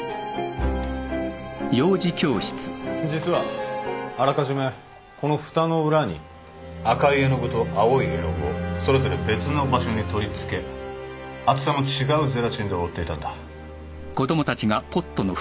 実はあらかじめこのふたの裏に赤い絵の具と青い絵の具をそれぞれ別の場所に取り付け厚さの違うゼラチンで覆っていたんだ。